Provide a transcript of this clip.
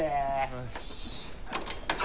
よし。